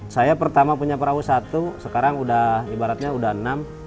saya pertama punya perahu satu sekarang udah ibaratnya udah enam